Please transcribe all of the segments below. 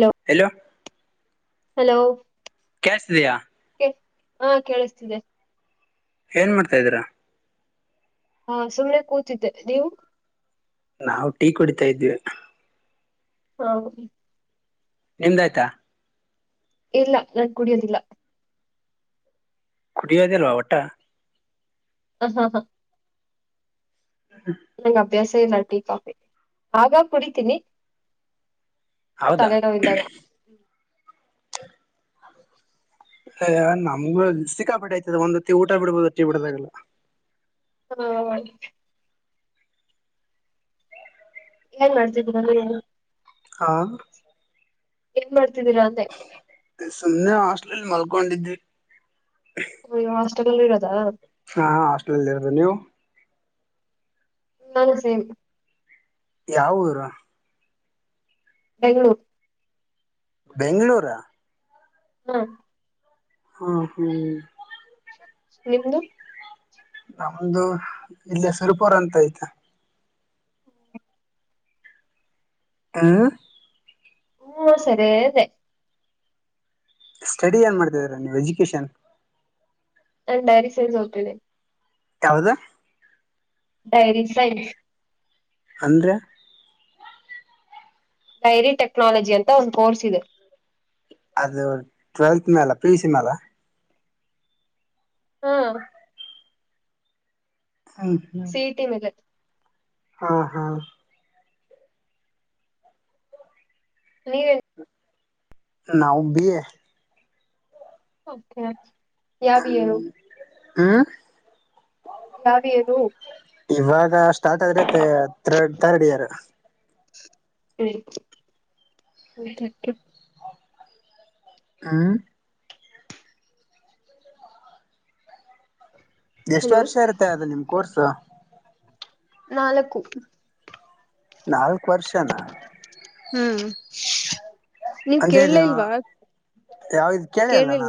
Hello. Hello hello ಕ್ಯಾಶ ತಿದೆಯ ಎ ಹ ಕೇಳಿಸ್ತದೆ. ಏನ್ ಮಾಡ್ತಾ ಇದೀರಾ. ಹಾ ಸುಳ್ಳೆ ಕೂತಿದ್ದೆ ನೀವು. ನಾವು ಟೀ ಕುಡಿತಾ ಇದ್ವಿ ಹೌದು ನಿಮ್ದಾಯ್ತಾ ಇಲ್ಲ ನಾನ್ ಕುಡಿಯೋದಿಲ್ಲ ಕುಡಿಯೋದಿಲ್ವಾ ಒಟ್ಟ ಹ ಹಾ ಹಾ [unintelligible] ಹ [unintelligible] ನಂಗೆ ಅಭ್ಯಾಸ ಇಲ್ಲ ಟೀ ಕಾಫಿ ಆಗ್ ಆಗ್ ಕುಡಿತೀನಿ ಹೌದಾ ತಲೆನೋವು ಇದ್ದಾಗ ಅ ನಮ್ಗು ಸಿಕ್ಕಾಪಟ್ಟ ಆಯ್ತದ ಒಂದ ಹೊತ್ತ ಊಟ ಬಿಡ್ಬೋದು ಟಿ ಬಿಡದಾಗಲ್ಲ ಹಾ ಹ [unintelligible] ಏನ್ ಮಾಡ್ತಿದಿರಾ [unintelligible] ಹಾ [unintelligible] ಏನ್ ಮಾಡ್ತಿದ್ದೀರಾ ಅಂದೆ ಸುಮ್ಮನೆ ಹಾಸ್ಟೆಲಲ್ಲಿ ಮಲ್ಕೊಂಡಿವಿ [unintelligible] ಹಾಸ್ಟೆಲ್ಲ್ಲಿ ಇರೋದ ಹಾಂ ಹಾಸ್ಟಲಲ್ಲಿ ಇರೋದು ನೀವು ನಾನು ಸೇಮ್ ಯಾವ ಊರು ಬೆಂಗಳೂರು ಬೆಂಗಳೂರ ಅ ಹ್ಮ್ [unintelligible] ಹ್ಮ ಹ್ಮ್ [unintelligible] ನಿಮ್ದು ನಮ್ದು ಇಲ್ಲೇ ಸುರಪುರ್ ಅಂತ ಆಯ್ತೆ ಹ [unintelligible] ಹ್ಮ ಸರಿ ಅದೇ ಸ್ಟಡಿ ಏನ್ ಮಾಡ್ತಿದ್ದೀರಾ ಎಜುಕೇಶನ್ ನಾನ್ ಡೈರಿ ಸೇಲ್ಸ್ ಹೋಗತಿ [unintelligible] ಯಾವ್ದ ಡೈರಿ ಸೈನ್ ಅಂದ್ರೆ ಡೈರಿ ಟೆಕ್ನಾಲಜಿ ಅಂತ ಒಂದು ಕೋರ್ಸ್ ಇದೆ ಅದು ಟ್ವೆಂಲ್ತ್ ಮೇಲೆ ಪಿಯುಸಿ ಮೇಲೆ ಹ್ಮ್ [unintelligible] ಹಾ [unintelligible] ಸೀ ಹಿ ಟಿ ಮೇಲೆ ಹಾ ಹಾ [unintelligible] ನೀವ [unintelligible] ನಾವು ಬಿ ಎ ಓಕೆ ಯಾವ ಇಯರು ಹ್ಮ ಯಾವ ಇಯರು ಇವಾಗ ಸ್ಟಾರ್ಟ್ ಆದ್ರೆ ತರ್ -ಥರ್ಡ್-ಥರ್ಡ್ ಇಯರ್ ಹ್ಮ [unintelligible] ಹ್ಮ ಎಷ್ಟು ಹಲೋ ವರ್ಷ ಇರುತ್ತೆ ಅದು ನಿಮ್ ಕೋರ್ಸ್ ನಾಲ್ಕು ನಾಲ್ಕು ವರ್ಷನ ಹ್ಮ್ ನೀವ್ ಅಂಜೇ ಇದೇವ ಯಾವ ಕೇಳಿ ಅಲ್ಲ ಕೇಳಿಲ್ಲ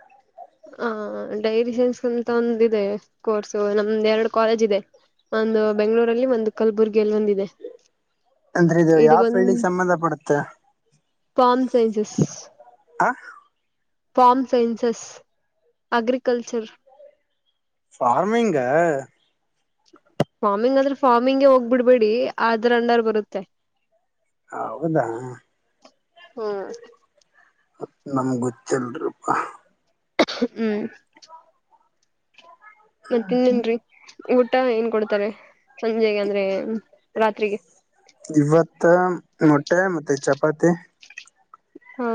[inaudible] ಹ ಡೈರಿ ಸೈನ್ಸ್ ಅಂತ ಒಂದ ಇದೆ ಕೋರ್ಸ್ ನಮ್ದ್ ಎರಡು ಕಾಲೇಜ್ ಇದೆ ಒಂದು ಬೆಂಗಳೂರಲ್ಲಿ ಒಂದು ಕಲಬುರ್ಗಿಯಲ್ಲಿ ಒಂದ ಇದೆ ಅಂದ್ರೆ ಇದು ಯಾವ ಫೀಲ್ಡಿಗೆ farm sciences farm sciences farming farming ಆದ್ರ ಫಾರ್ಮಿಂಗ್ಗೆ ಹೋಗ್ಬ ಬಿಡ್ಬೇಡಿ ಅದ್ರ ಅಂಡಾರ್ ಬರುತ್ತೆ ಹೌದಾ ಹ್ಮ ಅತ್ ನಮ್ ಗೊತ್ತಿಲ್ರಿಪಾ ಹ್ಮ್ ಮತ್ತ ತಿಂದಿನ್ರಿ ಊಟ ಏನ್ ಕೊಡ್ತಾರೆ ಸಂಜೆಗೆ ಅಂದ್ರೆ ರಾತ್ರಿಗೆ ಇವತ್ತ ಮೊಟ್ಟೆ ಮತ್ತೆ ಚಪಾತಿ ಹ್ಮ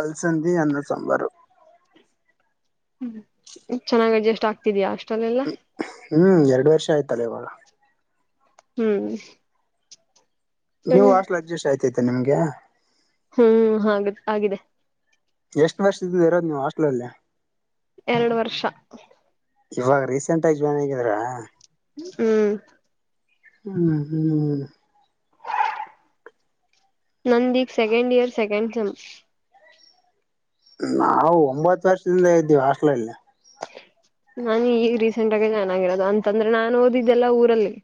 ಅಲ್ಸಂದಿ ಅನ್ನ ಸಾಂಬಾರು ಹ್ಮ್ ಚೆನ್ನಾಗ್ ಅಡ್ಜಸ್ಟ್ ಆಗ್ತಿದಯಾ ಹಾಸ್ಟೇಲ್ ಲ್ಲೆಲ್ಲಾ ಹ್ಮ್ ಎರಡು ವರ್ಷ ಆಯ್ತಲ್ಲ ಇವ್ವಾಗ ಹ್ಮ್ ನೀವು ಸರಿ ಹಾಸ್ಟೆಲ್ ಅಡ್ಜಸ್ಟ್ ಆಯತೈತೆ ನಿಮ್ಗೆ ಹ್ಮ್ ಹಾಗ ಆಗಿದೆ ಎಷ್ಟು ವರ್ಷ ಇದ್ದದ ಇರೋದು ನೀವು ಹಾಸ್ಟಲ ಅಲ್ಲಿ ಎರಡು ವರ್ಷ ಇವಾಗ ರೀಸೆಂಟ್ ಆಗಿ ಜಾಯಿನ್ ಆಗಿದ್ರಾ ಹ್ಮ್ ಹ್ಮ್ ಹ್ಮ್ ನಂದಿಕ್ ಸೆಕಂಡ್ ಇಯರ್ ಸೆಕಂಡ್ ಸಮ ನಾವು ಒಂಬತ್ತು ವರ್ಷದಿಂದ ಇದ್ದೀವಿ ಹಸ್ಲಲ್ಲ ನಾನ ಈ ರೀಸೆಂಟ್ ಆಗೇ ಚೆನ್ನಾಗಿರೋದು ಅಂತಂದ್ರೆ ನಾನನ್ ಓದಿದ್ದೆಲ್ಲ ಊರಲ್ಲಿ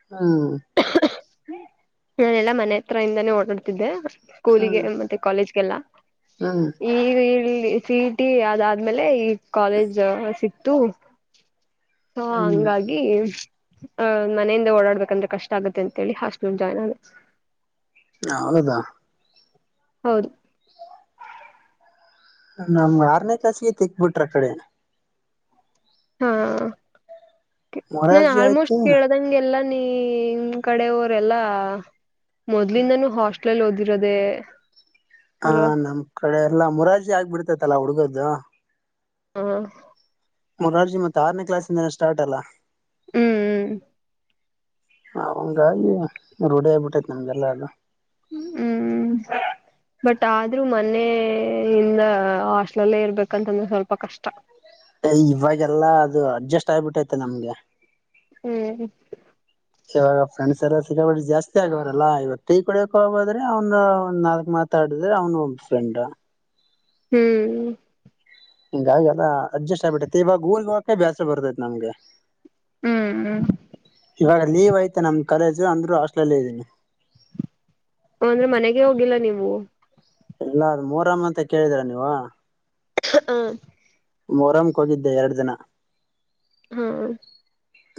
ಹ್ಮ ನಾನ ಎಲ್ಲಾ ಮನೆ ಹತ್ರ ಇಿಂದಾನೇ ಓಡಾಡ್ತಿದ್ದೆ ಸ್ಕೂಲಿಗೆ ಹ್ಮ್ ಮತ್ತೆ ಕಾಲೇಜಗೆಲ್ಲ ಹ್ಮ್ ಈಗ ಇಲ್ಲಿ ಸಿಟಿ ಅದಾದ್ಮೇಲೆ ಈ ಕಾಲೇಜ್ ಸಿಕ್ತು ಹ ಹ್ಮ್ ಹಂಗಾಗಿ ಆಹ ಮನೆಯಿಂದ ಓಡಾಡ್ಬೇಕಂದ್ರೆ ಕಷ್ಟ ಆಗತ್ತೆ ಅಂತ ಳಿ ಹಾಸ್ಟೆಲ್ ಜಾಯಿನ್ ಆಗ ಹೌದದಾ ಹೌದು ನಮ್ಗೆ ಆರನೇ ಕ್ಲಾಸಿಗೆ ತೆಕ್ಬಿಟ್ರ ಆ ಕಡೆ ಹಾ ನ ಮೊರಾರ್ಜಿ ಆಯ್ತು ಆಲ್ಮೋಸ್ಟ್ ಕೇಳ ಇದಂಗೆಲ್ಲ ನಿಮ್ ಕಡೆ ಅವರೆಲ್ಲಾ ಮೊದ್ಲಿಂದಾನೂ ಹಾಸ್ ಮಕ್ಕಳಲ್ಲಿ ಓದಿರೋದೆೇ ಹ ನಮ್ ಕಡೆ ಎಲ್ಲ ಮುರಾರ್ಜಿ ಆಗ್ಬಿಡ್ತೈತಲ್ಲಾ ಹುಡುಗದ್ದು ಹಾ ಮೂರಜಿ ಮತ್ ಆನೇ್ಲಸ್ಿಂದನ ಸ್ಟಾರ್ಟ್ ಅಲ್ಲ ಹ್ಮ್ ಹ್ಮ್ ಹಂಗಾಗಿ ರೂಢಿಯ ಆಗ್ಬಿಟ್ಟೈ ನಮ್ಗೆಲ್ಲ ಅದು ಹ್ಮ್ ಬಟ್ ಆದ್ರೂ ಮನೆಯ ಇಿಂದ ಹಾಸ್ಲಲ್ಲೇ ಇರ್ಬೇಕಂತಂದ್ರೆ ಸ್ವಲ್ಪ ಕಷ್ಟ ಇವಾಗೆಲ್ಲಾ ಅದು ಅಡ್ಜಸ್ಟ್ ಆಗ್ಬಿಟ್ಟೈತೆ ನಮ್ಗೆ ಹ್ಮ್ ಹ [inaudible] ಇವಾಗ ಫ್ರೆಂಡ್ಸ್ ಎಾರ ಸಿಗಬಟ್ಟು ಜಾಸ್ತಿ ಆಗವಾರಲ್ಲ ಇವತ್ತು ಟೀ ಕೊಡೋಕ್ ಹೋಗೋದ್ರೆ ಒಂದ ಒಂದ್ ನಾಲ್ಕಕ್ ಮಾತ್ ಮಾಾಡಿದ್ರೆ ಅವ್ನು ಒಬ್ಬ ಫ್ರೆಂಡ್ ಹ್ಮ್ ಹಂಗಾಗಿ ಅಲ್ಲ ಅಡ್ಜಸ್ಟ್ ಆಗ್ಬಿಟ್ಟೈತಿ ಇವಾಗ ಊರ್ಗೆ ಹೋಗಕೆ ಬ್ಯಾಸ ಬರ್ತೈತಿ ನಮಗೆ ಹ್ಮ್ ಹ್ಮ ಇವಾಗ ಲೀವ್ ಐತೆಾ ನಮ್ ಕಾಲೇಜು ಅಂದ್ರು ಹಸ್ಟಲ್ಲೇ ಇದ್ದನಿ ಅಂದ್ರೆ ಮನೆಗೆ ಹೋಗಿಲ್ಲ ನೀವು ಇಲ್ಲ ಅ ಮೂರಮ್ಮ ಅಂತ ಕೇಳಿದೀರ ನೀವು ಹ ಮೊರಮ್ಕ್ ಹೋಗಿದ್ದೆ ಎರಡು ದಿನ ಹಾ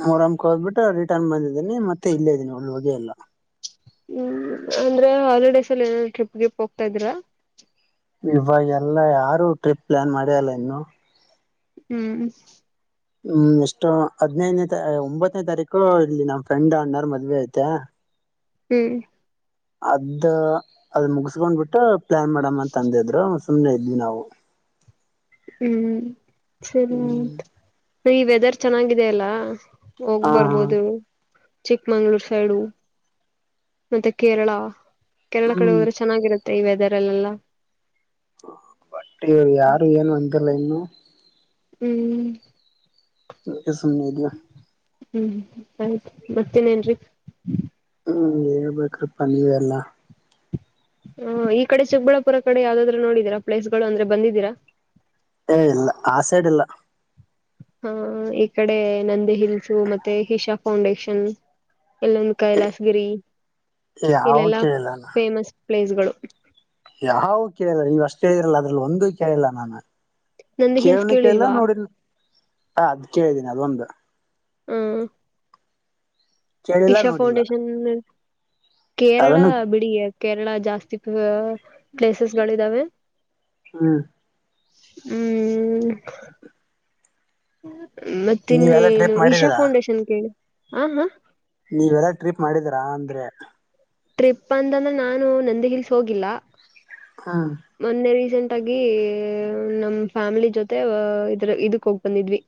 ಮೂರ ಅ್ ಹದ್ಬಿಟ್ಟು ರಿಟರ್ನ್ ಬಂದಿದ್ದೀನಿ ಮತ್ತೆ ಇಲ್ಲೇ ಇದೀನಿ ಒಳ್ಳು ಹಗೆಯ ಎಲ್ಲ ಹ್ಮ್ ಅಂದ್ರೆ ಹಾಲಿಡೇಸ್ ಅಲ್ಲಿ ಏನಾದ್ ಟ್ರಿಪ್ ಗೆ ಹೋಗ್ತಾ ಇದ್ರಾ ಇವಾಗ ಎಲ್ಲ ಯಾರು ಟ್ರಿಪ್ ಪ್ಲಾನ್ ಮಾಡ್ಯಲ್ಲ ಇನ್ನು ಹ್ಮ್ ಹ್ಮ್ ಎಷ್ಟು ಹದ್ನೈದನೇ ಒಂಬತ್ತನೇ ತಾರೀಕು ಇಲ್ಲಿ ನಮ್ಮ್ ಫ್ರೆಂಡ್ ಅಣ್ಣಾರ್ ಮದ್ವೆ ಐತೆ ಹ್ಮ್ ಅದ ಅದ ಮುಗಸ್ಕೊಂಡ್ ಬಿಿಟ್ಟು ಪ್ಲಾನ್ ಮಾಡಮ್ಮ ಅಂತ ಅಂದಿದ್ರು ಸುಮ್ನೆ ಇದ್ವಿ ನಾವು ಹ್ಮ್ ಸರಿ ಹ್ಮ್ ಈ ವೆದರ್ ಚೆನ್ನಾಗಾಗಿದೆ ಅಲ್ಲಾ ಹೋಗ್ ಹಾ ಹಾ ಬರ್ಬೋದು ಚಿಕ್ಕಮಂಗ್ಳೂರ್ ಸೈಡು ಮತ್ತೆ ಕೇರಳ ಕೇರಳ ಕಳ ಹ್ಮ್ ಹೋದ್ರೆ ಚೆನ್ನಾಗಿರುತ್ತೆ ಈ ವೆದರ್ ಅಲ್ಲೆಲ್ಲ ಹ ಬಟ್ ಯಾರು ಏನು ಅಂತಿಲ್ಲ ಇನ್ನು ಹ್ಮ್ ಅದಕ್ಕೆ ಸುಮ್ಮನೆ ಇದ್ದೇನೆ ಹ್ಮ್ ಆಯ್ತ್ು ಮತ್ತೇನೇನ್ರರಿ ಹಞ ಹೇಳ್ಬೇಕ್ರೆಪ ನೀವೇ ಎಲ್ಲ ಹ್ಮ ಈ ಕಡೆ ಚಿಕ್ಕಬಳ್ಳಾಪುರ ಕಡೆ ಯಾವ್ದಾದ್ ನೋಡಿದೀರ ಪ್ಲೇಸ್ ಅಂದ್ರೆ ಬಂದಿದ್ದೀರಾ ಏ ಇಲ್ಲ ಆ ಸೈಡ್ ಇಲ್ಲ ಹ ಈ ಕಡೆ ನಂದಿ ಹಿಲ್ಸು ಮತ್ತೆ ಇಶಾ ಫೌಂಡೇಶನ್ ಇಲ್ಲೊಂದು ಕೈಲಾಸ ಗಿರಿ ಯಾವ ಇಲ್ಲೆಲ್ಲಾ ಕೇಳಿಲ್ಲ ನಾ ಫೇಮಸ್ ಪ್ಲೇಸ್ ಗಳು ಯಾವ ಕೇಳಲ್ಲ ನೀವ ಅಷ್ಟೇ ಇದರಲ್ಲ ಅದ್ರಲ್ಲಿ ಒಂದ ಕೇಳಲ್ಲ ನಾನು ನಂದಿ ಹಿಲ್ಸ್ ಕೇೇಳನ ಕೇಲ್ಲ ಕೇಳಿಲ್ವಾ ನೋಡಿ ಹ ಅದ್ ಕೇಳಿದೀನಿ ಅದೊಂದು ಹಾ ಕೇಳಿಲ್ಲ ಇಶಾ ನೋಡಿಲ್ಲ ಫೌಂಡೇಶನ್ ಕೇರಳ ಅದನ್ನು ಬಿಡಿ ಕೇರಳ ಜಾಸ್ತಿ ಪ್ಲೇಸಸ್ ಗಳಿದಾವೆ ಹ್ಮ್ ಹ್ಮ್ ಮತ್ತ ನೀವೆಲ್ಲಾ ಇನ್ನೇನು ಟ್ರಿಪ್ ಇಶಾ ಮಾಡಿದೀರಾ ಫೌಂಡೇಶನ್ ಕೇಳಿ ಹ ಹ ನೀವೆಲ್ಲ ಟ್ರಿಪ್ ಮಾಡಿದೀರಾ ಅಂದ್ರೆ ಟ್ರಿಪ್ ಅಂತಂದ್ರೆ ನಾನು ನಂದಿ ಹಿಲ್ಸ್ ಹೋಗಿಲ್ಲ ಹಾ ಮೊನ್ನೆ ರೀಸೆಂಟ್ ಆಗಿ ನಮ್ ಫ್ಯಾಮಿಲಿ ಜೊತೆ ಇದ್ರ ಇದಕ್ ಹೋಗ್ ಬಂದಿದ್ವಿ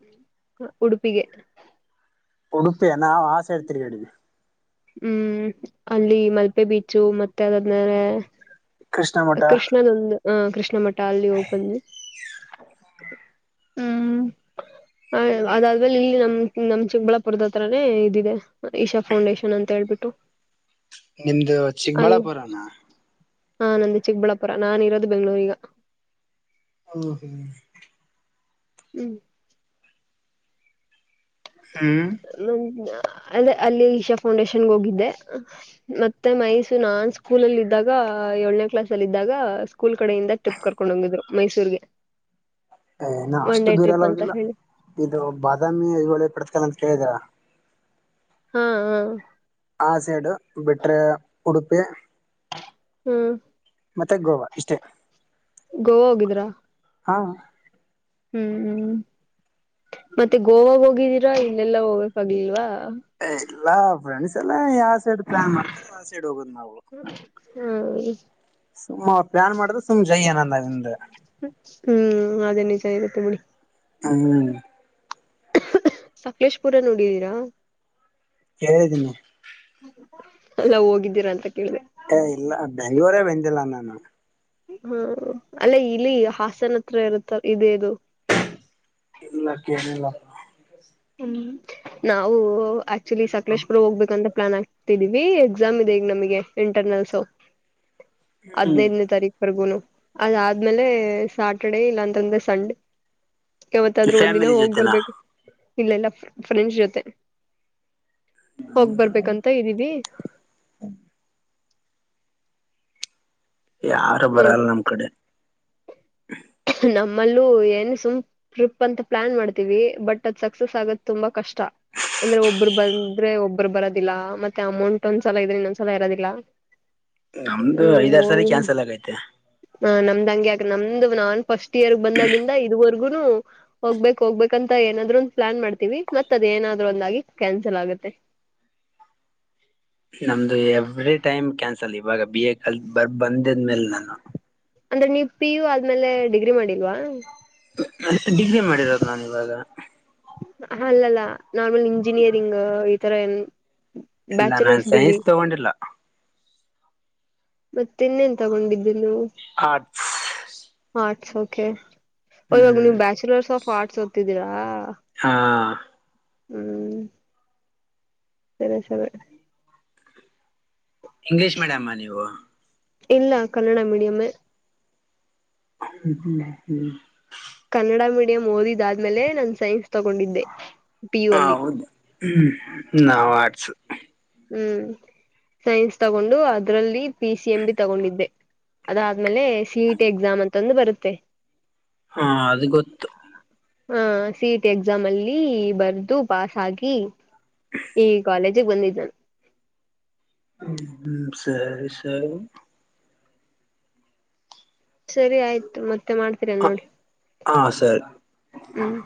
ಉಡುಪಿಗೆ ಉಡುಪಿಯ ನಾಾವವು ಆಸೆ ಇಡ್ತಿೀರಿಗಡವಿ ಹ್ಮ್ ಅಲ್ಲಿ ಮಲ್ಪೆ ಬೀಚು ಮತ್ತೆ ಅದಾದ್ಮೇಲೆ ಕೃಷ್ಣ ಮಠ ಕೃಷ್ಣದೊಂದು ಅ ಕೃಷ್ಣ ಮಠ ಅಲ್ಲಿ ಹೋಗಿ ಬಂದ್ವಿ ಹ್ಮ್ [inaudible] ಹ ಅದಾದ್ಮೇಲೆ ಇಲ್ಲಿ ನಮ್ ನಮ್ ಚಿಕ್ಕಬಳ್ಳಾಪುರದ ಹತ್ರೇ ಇದದೆ ಈಶಾ ಫೌಂಡೇಶನ್ ನ ಅಂತ ಹೇಳ್ಬಿಟ್ಟು ನಿಮ್ದು ಅಲ್ಲಿ ಚಿಕ್ಕಬಳ್ಳಾಪುರನ ಹಾ ನಂದು ಚಿಕ್ಕಬಳ್ಳಪುರ ನಾನ್ ಇರೋದು ಬೆಂಗಳೂ ಈಗ ಹ ಹ ಹ್ಮ್ ಹಾ ನ ಅ ಅಲ್ಲಿ ಈಶಾ ಫೌಂಡೇಶನ್ಗೆ ಹೋಗಿದ್ದೆ ಮತ್ತೆ ಮೈಸೂರು ನಾನ್ ಸ್ಕೂಲಲ್ಲಿ ಇದ್ದಾಗ ಏಳನೇ ಕ್ಲಾಸ್ ಅಲ್ಲಿ ಇದಿದ್ದಾಗ ಸ್ಕೂಲ್ ಕಡೆಯಿಂದ ಟ್ರಿಪ್ ಕರ್ಕೊಂಡು ಹೋಗಿದ್ರು ಮೈಸೂರ್ಗೆ ಏ ಇ ನಾ ಒನ್ ಅಷ್ಟು ಡೇ ದೂರ ಟ್ರಿಪ್ ಎಲ್ಲ ಅಂತ ಹೋಗಿಲ್ಲ ಹೇಳಿ ಇದು ಬಾದಾಮಿಳಿ ಪಡ್ಕಲ್ಲ ಅಂತ ಕೇಳಿದೀರಾ ಹಾ ಹಾ ಆ ಸೈಡು ಬಿಟ್ರೆ ಉಡುಪಿ ಹ್ಮ್ ಮತ್ತೆ ಗೋವಾ ಇಷ್ಟೇ ಗೋವಾ ಹೋಗಿದ್ರಾ ಹಾ ಹ್ಮ್ ಹ್ಮ್ ಮತ್ತೆ ಗೋವಾ ಹೋಗಿದ್ದೀರಾ ಇಲ್ಲೆಲ್ಲಾ ಹೋಗಕ್ ಆಗ್ಲಿಲ್ವಾ ಎಲ್ಲಾ ಫ್ರೆಂಡ್ಸ್ ಎಲ್ಲ ಯಾವ ಸೈಡ್ ಪ್ಲಾನ್ ಮಾಡತ ಆಾವ ಸೈಡ್ ಹೋಗೋದ್ ನಾವು ಹೌ ಸುಮ್ಮ್ ಪ್ಲಾನ್ ಮಾಡಿದ್ರೆ ಸುಮ್ಮ್ ಜೈ್ಯನ ನಿಂದ ಹ್ಮ್ ಅದೇ ನಿಜ ಇರುತ್ತೆ ಬಿಡಿ ಹ್ಮ್ ಸಕ್ಲೇಶ್ ಪುರ ನೋಡಿದೀರಾ ಹೇಳಿದ್ದೀನಿ ಅಲ್ಲ ಹೋಗಿದ್ದೀರಾ ಅಂತ ಕೇಳಿದೆ ಏ ಇಲ್ಲ ದಯವರೇ ಬಂದಿಲ್ಲ ನಾನು ಹ್ಮ ಅಲ್ಲೇ ಇಲ್ಲಿ ಹಾಸನ ಹತ್ರ ಇರುತ್ತ ಇೇದು ಇಲ್ಲಕ್ಕಿಲ್ಲ ಹ್ಮ್ ನಾವು ಆಕ್ಚುಲಿ ಸಕಲೇಶ್ ಪುರ ಹೋಗ್ಬೇಕಂತ ಪ್ಲಾನ್ ಆಗ್ತಿದೀವಿ ಎಕ್ಸಾಮ್ ಇದೆ ಈಗ ನಮಗೆ ಇಂಟರ್ನಲ್ಸ್ ಹ್ಮ್ ಹದ್ನೈದನೇ ತಾರೀಕ್ವರೆಗೂನು ಅದಾದ್ಮೇಲೆ ಸಾ್ಯಾಟರ್ಡೆೇ ಇಲ್ಲಾಂತಂದ್ರೆ ಸಂಡೆ ಯಾವತ್ತಾದ್ರೂ ಒಂದ್ನ ಫ್ಯಾಮಿಲಿ ಹೋಗ್ ಜೊತೆನಾ ಬರ್ಬೇಕು ಇಲ್ಲ ಇಲ್ಲ ಫ್ರೆಂಚ್ ಜೊತೆ ಹೋಗ್ ಬರ್ಬೇಕಂತ ಇದ್ದೀವಿ ಹೌ ಯಾರು ಬರಲ್ಲ ನೋಡ್ಬೇಕು ನಮ್ ಕಡೆ ನಮ್ಮಲ್ಲೂ ಏನ್ ಸುಂ ಟ್ರಿಪ್ ಅಂತ ಪ್ಲಾನ್ ಮಾಡ್ತೀವಿ ಬಟ್ ಅದ್ ಸಕ್ಸಸ್ ಆಗದ ತುಂಬಾ ಕಷ್ಟ ಅಂದ್ರೆ ಒಬ್ರು ಬಂದ್ರೆ ಒಬ್ಬರು ಬರೋದಿಲ್ಲ ಮತ್ತೆ ಅಮೌಂಟ್ ಒಂದ್ಸಲ ಇದ್ರೆ ಇನ್ನೊಂದ್ಸಲ ಇರೋದಿಲ್ಲ ನಮ್ದು ಐದಾರು ಸಾರಿ ಹ್ಮ್ ಕ್ಯಾನ್ಸಲ್ ಆಗೈತೆ ಹ ನಮ್ದಂಗಗೆ್ಯಾಕ ನಮ್ದು ನಾನ್ ಫಸ್ಟ್ ಇಯರ್ ಬಂದಾಗಿಂದ ಇದ್ವರ್ಗುನು ಹೋಗ್ಬೇಕಕ್ ಹೋಗ್ಬೇಕ ಅಂತ ಏನಾದ್ರು ಒಂದ್ ಪ್ಲಾನ್ ಮಾಡ್ತೀವಿ ಮತ್ತತ್ ಅದ ಏನಾದ್ರು ಒಂದಾಗಿ ಕ್ಯಾನ್ಸಲ್ ಆಗತ್ತೆ ನಮ್ದು ಎವ್ರಿ ಟೈಮ್ ಕ್ಯಾನ್ಸಲ್ ಇವಾಗ ಬಿ ಎ ಕಲ್ ಬರ್ ಬಂದಿದ್ಮೇಲೆ ನಾನು ಅಂದ್ರೆ ನೀವ್ ಪಿ ಯು ಆದ್ಮೇಲೆ ಡಿಗ್ರಿ ಮಾಡಿಲ್ವಾ ಡಿಗ್ರಿ ಮಾಡಿರೋದು್ ನಾ ಇವಾಗ ಅಲ್ಲಲ್ಲ ನಾರ್ಮಲ್ ಇಂಜಿನಿಯರಿಂಗ್ ಈತರ ಏನ್ ಇಲ್ಲ ನಾನ್ ಬ್ಯಾಚುಲರ್ಸ್ ಡಿಗ್ರಿ ಸೈನ್ಸ್ ತಗೊಂಡಿಲ್ಲ ಮತ್ತೆನ್ನೇನ್ ತಗೊಂಡಿದ್ದೆ ನೀವು ಆ್ ಆಟ್ಸ್ ಓಕೆ ಹ್ಮ್ ನೀವು ಬ್ಯಾಚಲರ್ಸ್ ಪಾಡ್ಸೋತಿದ್ದೀರಾ ಹಾ ಹ್ಮ್ ಸೇಶ ಇಂಗ್ಲಿಷ್ ಮೀಡಿಯಮಾ ನೀವು ಇಲ್ಲ ಕನ್ನಡ ಮೀಡಿಯಮ ಹ್ಮ್ಮ ಕನ್ನಡ ಮೀಡಿಯಂ ಓದಿದಾದ್ಮೇಲೆ ನಾನು ಸೈನ್ಸ್ ತಗೊಂಡಿದ್ದೆ ಪಿ ಯು ಅಲ್ಲಿ ಹೌದು ಹ್ಮ್ ನಾವು ಆಡ್ಸ ಹ್ಮ್ ಸೈನ್ಸ್ ತಗೊಂಡು ಅದ್ರಲ್ಲಿ ಪಿ ಸಿ ಎಂ ಬಿ ತಗೊಂಡಿದ್ದೆ ಅದಾದ್ಮೇಲೆ ಸಿಇ ಟಿ ಎಕ್ಸಾಮ್ ಅಂತಂದು ಬರುತ್ತೆ ಹಾ ಅದು ಗೊತ್ತು ಹ ಸಿ ಇ ಟಿ ಎಕ್ಸಾಮ್ ಅಲ್ಲಿ ಬರ್ದು ಪಾಸ್ ಆಗಿ ಈ ಕಾಲೇಜಿಗೆ ಬಂದಿದ್ದ್ನು ಹ್ಮ ಹ್ಮ ಸರಿ ಸರಿ ಸರಿ ಆಯ್ತು ಮತ್ತೆ ಮಾಡ್ತೀರಲ್ಲ ನೋಡಿ ಹ ಸರಿ ಹ್ಮ್